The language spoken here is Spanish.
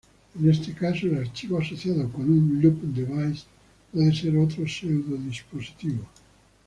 En este caso, el archivo asociado con un "loop device" puede ser otro pseudo-dispositivo.